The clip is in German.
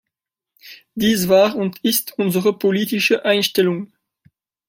Dies war und ist unsere politische Einstellung.